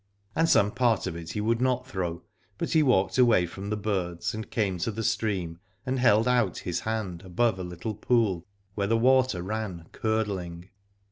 And some part of it he would not throw, but he walked away from the birds and came to the stream and held out his hand above a little pool where the 23 Aladore water ran curdling.